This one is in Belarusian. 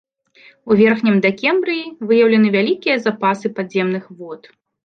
У верхнім дакембрыі выяўлены вялікія запасы падземных вод.